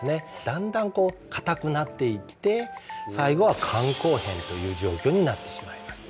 だんだんこう硬くなっていって最後は肝硬変という状況になってしまいます